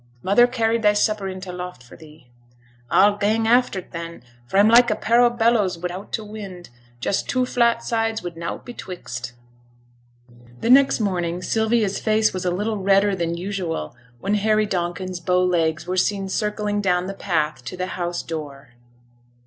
Mother carried thy supper in t' loft for thee.' 'A'll gang after 't, then, for a'm like a pair o' bellowses wi' t' wind out; just two flat sides wi' nowt betwixt.' The next morning, Sylvia's face was a little redder than usual when Harry Donkin's bow legs were seen circling down the path to the house door.